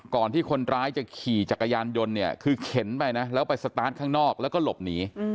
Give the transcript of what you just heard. ก่อนที่คนร้ายจะขี่จักรยานยนต์เนี่ยคือเข็นไปนะแล้วไปสตาร์ทข้างนอกแล้วก็หลบหนี